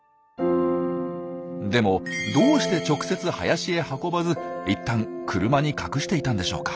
でもどうして直接林へ運ばずいったん車に隠していたんでしょうか。